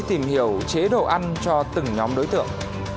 tìm hiểu chế độ ăn cho từng nhóm đối tượng